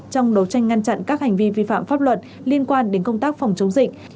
trong đấu tranh ngăn chặn các hành vi vi phạm pháp luật liên quan đến công tác phòng chống dịch